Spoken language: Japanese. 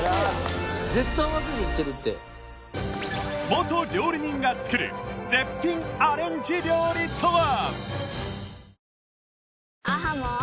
元料理人が作る絶品アレンジ料理とは？